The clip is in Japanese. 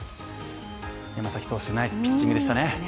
山崎投手、ナイスピッチングでしたね。